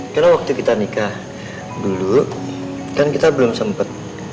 karena waktu kita nikah dulu kan kita belum sempet